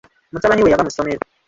Mutabani we yava mu ssomero.